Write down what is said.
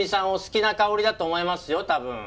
お好きな香りだと思いますよ多分。